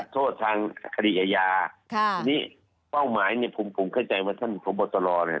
โทษทางคดีอาญาค่ะทีนี้เป้าหมายเนี่ยผมผมเข้าใจว่าท่านพบตรเนี่ย